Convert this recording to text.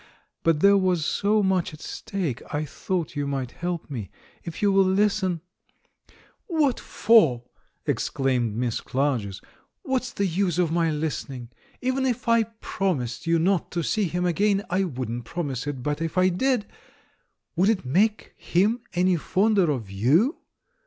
But there was so much at stake, I thought you might help me. If you will listen " "What for?" exclaimed Miss Clarges. "What's the use of my listening? Even if I promised you 858 THE MAN WHO UNDERSTOOD WOMEN not to see him again — I wouldn't promise it, but if I did — would it make him any fonder of you?